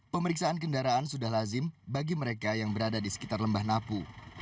pemeriksaan kendaraan sudah lazim bagi mereka yang berada di sekitar lembah napu